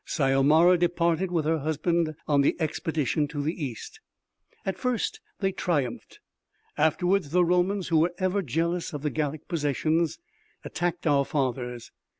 Syomara departed with her husband on the expedition to the East. At first they triumphed. Afterwards, the Romans, who were ever jealous of the Gallic possessions, attacked our fathers.